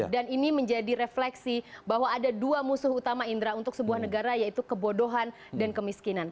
dan ini menjadi refleksi bahwa ada dua musuh utama indera untuk sebuah negara yaitu kebodohan dan kemiskinan